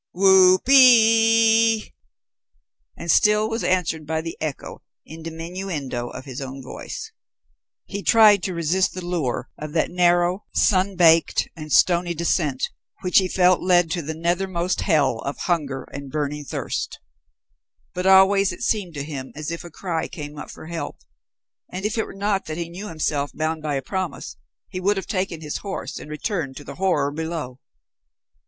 Whoopee!" and still was answered by the echo in diminuendo of his own voice. He tried to resist the lure of that narrow, sun baked, and stony descent, which he felt led to the nethermost hell of hunger and burning thirst, but always it seemed to him as if a cry came up for help, and if it were not that he knew himself bound by a promise, he would have taken his horse and returned to the horror below.